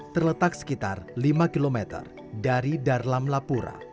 terletak sekitar lima km dari darlam lapura